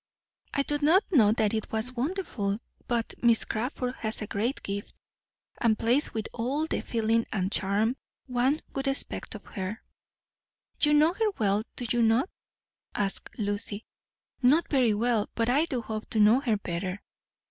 "I do not know that it was wonderful, but Miss Crawford has a great gift, and plays with all the feeling and charm one would expect of her." "You know her well, do you not?" asked Lucy. "Not very well, but I do hope to know her better."